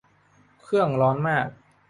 เครื่องร้อนมาก